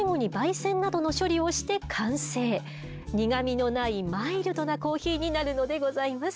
苦みのないマイルドなコーヒーになるのでございます。